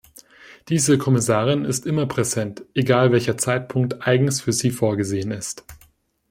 Diese Kommissarin ist immer präsent, egal welcher Zeitpunkt eigens für sie vorgesehen ist.